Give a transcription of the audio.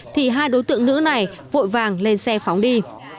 thì hai đối tượng nữ này vội vàng lên xe phóng đi